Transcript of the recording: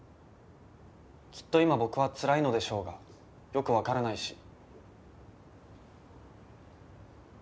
きっと今僕はつらいのでしょうがよくわからないし。